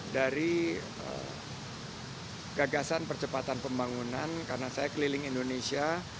dari gagasan percepatan pembangunan karena saya keliling indonesia